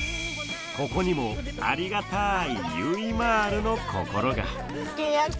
ここにもありがたい「ゆいまーる」の心が！